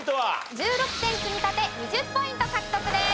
１６点積み立て２０ポイント獲得です。